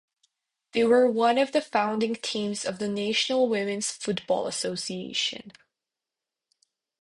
They were one of the founding teams of the National Women's Football Association.